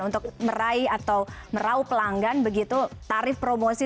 untuk meraih atau merauh pelanggan begitu tarif promosi